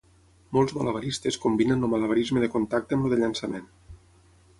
Molts malabaristes combinen el malabarisme de contacte amb el de llançament.